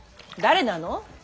誰なの？